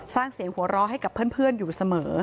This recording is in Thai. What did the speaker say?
สร้างเสียงหัวเราะให้กับเพื่อนอยู่เสมอ